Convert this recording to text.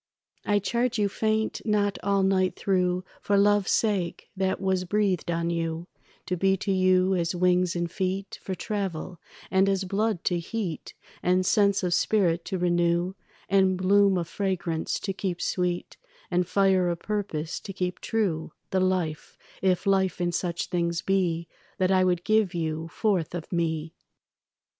I charge you faint not all night through For love's sake that was breathed on you To be to you as wings and feet For travel, and as blood to heat And sense of spirit to renew And bloom of fragrance to keep sweet And fire of purpose to keep true The life, if life in such things be, That I would give you forth of me.